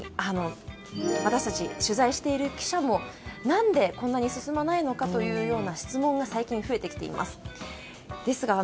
私たち、取材している記者も何でこんなに進まないのかというような質問が最近増えてきています。